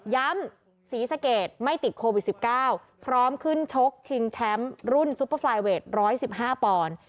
ศรีสะเกดไม่ติดโควิด๑๙พร้อมขึ้นชกชิงแชมป์รุ่นซุปเปอร์ไฟเวท๑๑๕ปอนด์